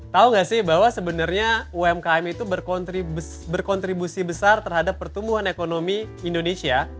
tahu nggak sih bahwa sebenarnya umkm itu berkontribusi besar terhadap pertumbuhan ekonomi indonesia